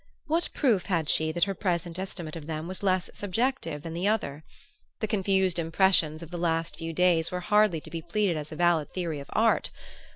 What proof had she that her present estimate of them was less subjective than the other? The confused impressions of the last few days were hardly to be pleaded as a valid theory of art.